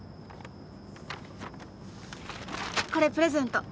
これプレゼント。